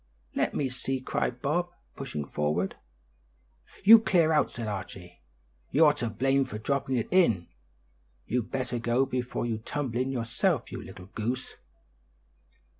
"Let me see," cried Bob, pushing forward. "You clear out," said Archie; "you're to blame for dropping it in; you'd better go before you tumble in yourself, you little goose."